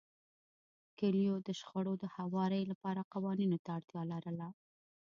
کلیو د شخړو د هواري لپاره قوانینو ته اړتیا لرله.